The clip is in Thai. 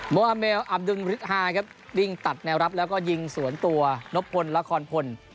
โมอาเมลอับดุลฤทฮาครับวิ่งตัดแนวรับแล้วก็ยิงสวนตัวนบพลละครพล